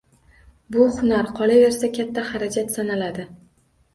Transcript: Bu hunar, qolaversa, katta xarajat sanaladi.